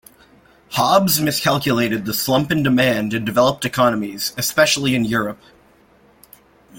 Hobbs miscalculated the slump in demand in developed economies especially in Europe.